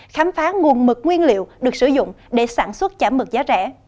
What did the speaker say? khám phá nguồn mực nguyên liệu được sử dụng để sản xuất chả mực giá rẻ